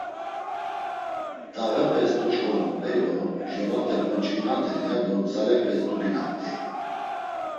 Dağepes doşǩorumt̆ey do mjorate vonç̌vinaten, ya do gzalepes dupinamt̆ey.